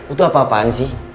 itu apa apaan sih